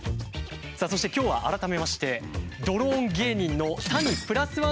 さあそして今日は改めましてドローン芸人の谷＋１。